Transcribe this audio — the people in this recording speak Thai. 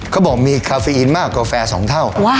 เขาบอกมีคาเฟอินมากกว่าแฟ๒เท่า